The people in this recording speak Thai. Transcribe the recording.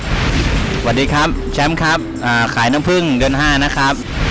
สวัสดีครับแชมป์ครับขายน้ำพึ่งเดือนห้านะครับ